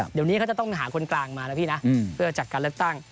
เดี๋ยวนี้เขาจะต้องหาคนกลางมานะพี่นะเพื่อจัดการเลือกตั้ง